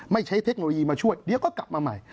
ใช้เทคโนโลยีมาช่วยเดี๋ยวก็กลับมาใหม่